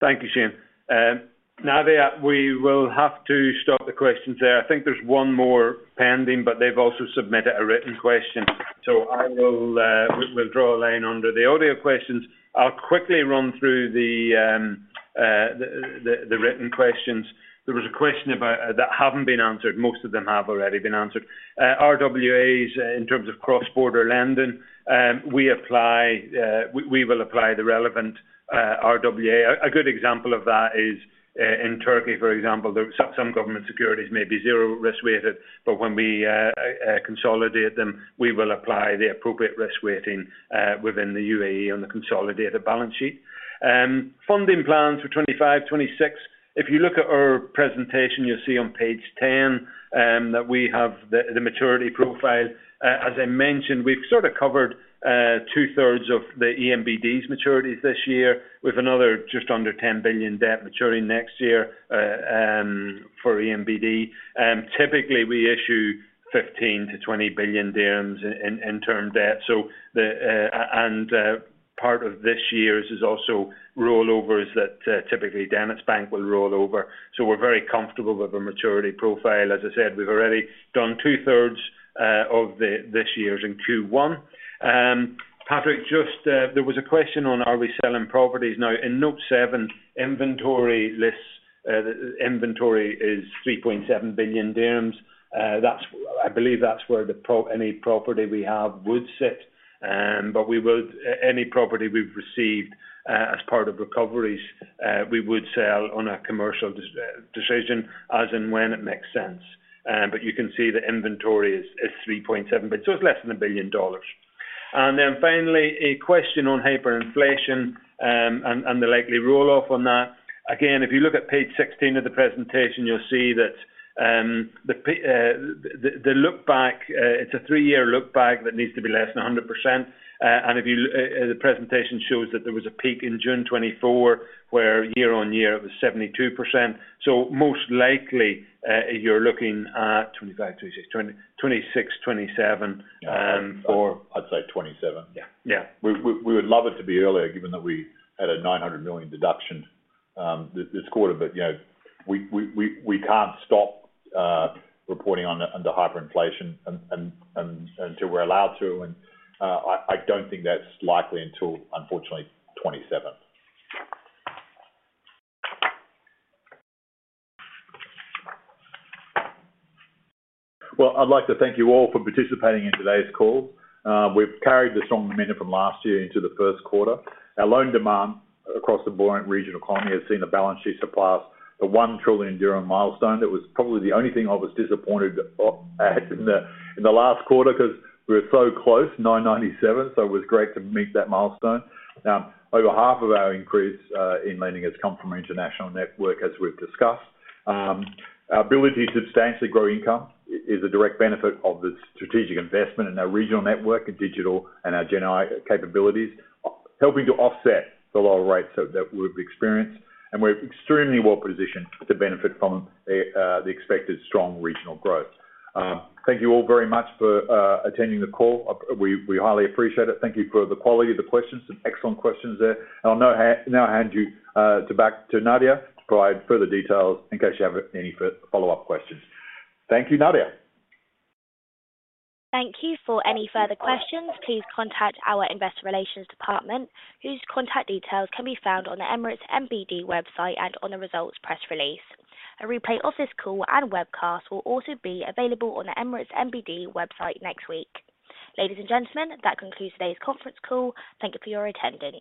Thank you, Shayne. Now, we will have to stop the questions there. I think there's one more pending, but they've also submitted a written question. We will draw a line under the audio questions. I'll quickly run through the written questions. There was a question about that haven't been answered. Most of them have already been answered. RWAs, in terms of cross-border lending, we will apply the relevant RWA. A good example of that is in Türkiye, for example, some government securities may be zero-risk weighted, but when we consolidate them, we will apply the appropriate risk weighting within the U.A.E on the consolidated balance sheet. Funding plans for 2025, 2026. If you look at our presentation, you'll see on page 10 that we have the maturity profile. As I mentioned, we've sort of covered 2/3 of ENBD's maturities this year with another just under 10 billion debt maturing next year for ENBD. Typically, we issue 15 billion-20 billion dirhams in term debt. Part of this year's is also rollovers that typically DenizBank will rollover. We are very comfortable with the maturity profile. As I said, we've already done 2/3 of this year's in Q1. Patrick, just there was a question on are we selling properties. In Note 7, inventory is 3.7 billion dirhams. I believe that's where any property we have would sit. Any property we've received as part of recoveries, we would sell on a commercial decision as and when it makes sense. You can see the inventory is 3.7 billion. It is less than $1 billion. Finally, a question on hyperinflation and the likely roll-off on that. Again, if you look at page 16 of the presentation, you'll see that the lookback, it's a three-year lookback that needs to be less than 100%. The presentation shows that there was a peak in June 2024 where year-on-year it was 72%. Most likely, you're looking at 2025, 2026, 2027 for. I'd say 2027. Yeah. Yeah. We would love it to be earlier given that we had an 900 million deduction this quarter. We cannot stop reporting on the hyperinflation until we are allowed to. I do not think that is likely until, unfortunately, 2027. I would like to thank you all for participating in today's call. We have carried the strong momentum from last year into the first quarter. Our loan demand across the buoyant regional economy has seen the balance sheet surpass the 1 trillion milestone. That was probably the only thing I was disappointed at in the last quarter because we were so close, 997. It was great to meet that milestone. Now, over half of our increase in lending has come from international network, as we have discussed. Our ability to substantially grow income is a direct benefit of the strategic investment in our regional network and digital and our GenAI capabilities, helping to offset the low rates that we've experienced. We are extremely well positioned to benefit from the expected strong regional growth. Thank you all very much for attending the call. We highly appreciate it. Thank you for the quality of the questions. Some excellent questions there. I'll now hand you back to Nadia to provide further details in case you have any follow-up questions. Thank you, Nadia. Thank you. For any further questions, please contact our investor relations department, whose contact details can be found on the Emirates NBD website and on the results press release. A replay of this call and webcast will also be available on the Emirates NBD website next week. Ladies and gentlemen, that concludes today's conference call. Thank you for your attendance.